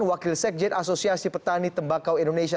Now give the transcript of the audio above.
wakil sekjen asosiasi petani tembakau indonesia